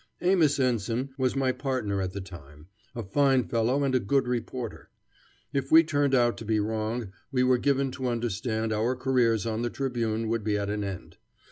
Amos Ensign was my partner at the time, a fine fellow and a good reporter. If we turned out to be wrong, we were given to understand our careers on the Tribune would be at an end.